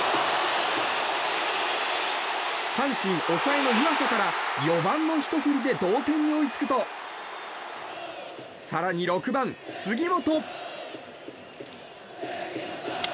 阪神、抑えの湯浅から４番のひと振りで同点に追いつくと更に６番、杉本。